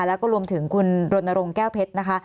แล้วก็รวมถึงคุณรณรงค์แก้วเพชรนะคะ